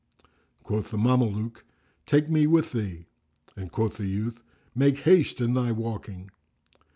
Quoth the Mameluke, "Take me with thee;" and quoth the youth, "Make haste in thy walking."